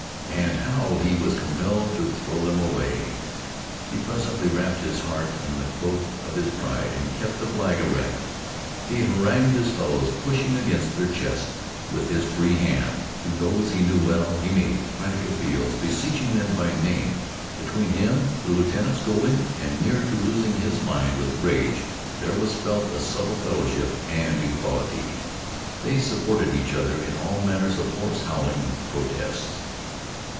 And now he was compelled to throw them away. He presently wrapped his heart in the cloak of his pride and kept the flag erect. He harangued his fellows, pushing against their chests with his free hand. To those he knew well he made frantic appeals, beseeching them by name. Between him and the lieutenant, scolding and near to losing his mind with rage, there was felt a subtle fellowship and equality. They supported each other in all manner of hoarse, howling protests.